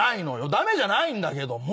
駄目じゃないんだけども。